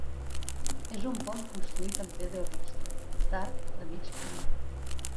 És un pont construït en pedra vista, d'arc de mig punt.